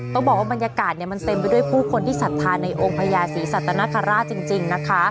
ต้องบอกว่าบรรยากาศมันเต็มไปด้วยผู้คนที่สัทธาในองค์พญาศรีสัตนคราชจริงนะคะ